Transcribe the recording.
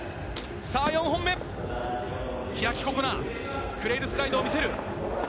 ４本目、開心那、クレイルスライドを見せる。